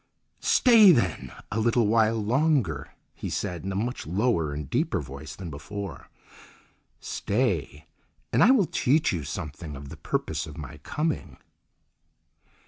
"Stay, then, a little while longer," he said in a much lower and deeper voice than before; "stay, and I will teach you something of the purpose of my coming."